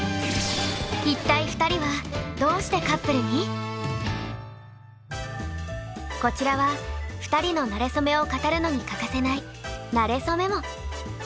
一体２人はこちらは２人のなれそめを語るのに欠かせない「なせそメモ」。